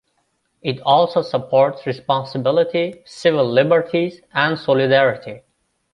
It also supports responsibility, civil liberties, and solidarity.